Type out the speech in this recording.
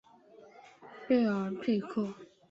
贝尔佩克。